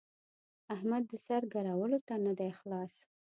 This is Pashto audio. احمد د سر ګرولو ته نه دی خلاص.